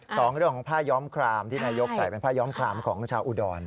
สองเรื่องของผ้าย้อมครามที่นายกใส่เป็นผ้าย้อมคลามของชาวอุดร